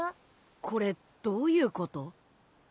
これどういうこと？